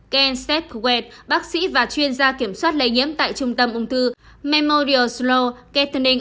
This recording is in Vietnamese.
ken stedt puett bác sĩ và chuyên gia kiểm soát lây nhiễm tại trung tâm ung thư memorial sloan kettering